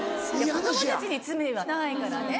子供たちに罪はないからね。